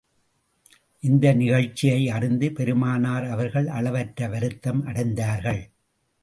இந்த நிகழ்ச்சியை அறிந்த பெருமானார் அவர்கள் அளவற்ற வருத்தம் அடைந்தார்கள்.